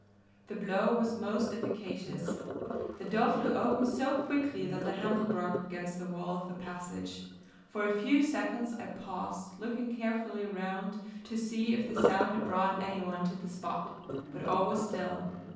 The blow was most efficacious; the door flew open so quickly that the handle broke against the wall of the passage. For a few seconds I paused, looking carefully round to see if the sound had brought any one to the spot; but all was still.